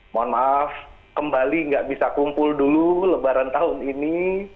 mohon maaf kembali nggak bisa kumpul dulu lebaran tahun ini